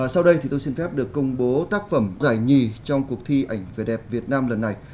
sau đây tôi xin phép được công bố tác phẩm giải nhì trong cuộc thi ảnh vẻ đẹp việt nam lần này